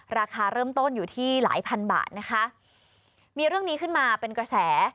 ราคาเริ่มต้นอยู่ที่หลายพันบาทนะคะมีเรื่องนี้ขึ้นมาเป็นกระแส